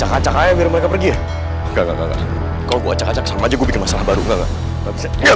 gua cak ayah biar mereka pergi enggak kau caksa maju bikin masalah baru enggak bisa